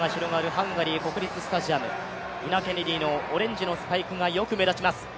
ハンガリー国立スタジアムニナ・ケネディのオレンジのスパイクがよく目立ちます。